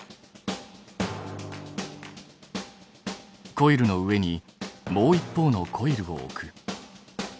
コイルの上にもう一方のコイルを置く。